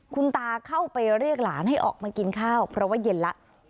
คุณตาเข้าไปเรียกหลานให้ออกมากินข้าวเพราะว่าเย็นแล้ว